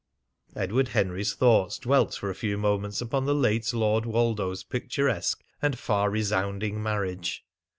Edward Henry's thoughts dwelt for a few moments upon the late Lord Woldo's picturesque and far resounding marriage.